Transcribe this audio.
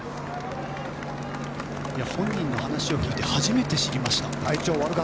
本人の話を聞いて初めて知りました。